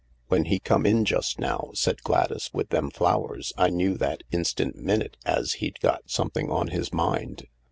"When he come in just now," said Gladys, "with them flowers, I knew that instant minute as he'd got something on his mind.